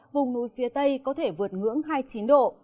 vùng núi phía tây có thể vượt ngưỡng hai mươi chín độ